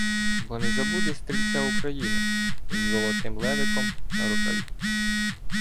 Бо не забуде стрільця Україна. З "золотим левиком" на рукаві.